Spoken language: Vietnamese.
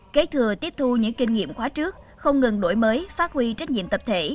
kế thừa tiếp thu những kinh nghiệm khóa trước không ngừng đổi mới phát huy trách nhiệm tập thể